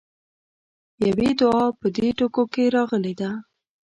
يوې دعا په دې ټکو کې راغلې ده.